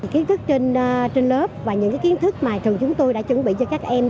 kiến thức trên lớp và những kiến thức mà trường chúng tôi đã chuẩn bị cho các em